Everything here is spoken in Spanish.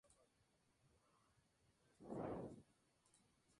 Se hacen prisioneros y se cuentan las bajas.